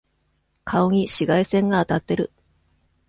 顔に紫外線が当たってる。